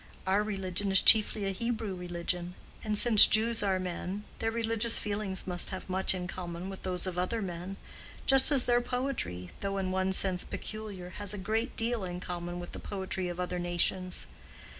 Our religion is chiefly a Hebrew religion; and since Jews are men, their religious feelings must have much in common with those of other men—just as their poetry, though in one sense peculiar, has a great deal in common with the poetry of other nations.